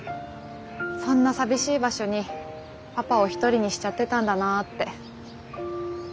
そんな寂しい場所にパパを一人にしちゃってたんだなって。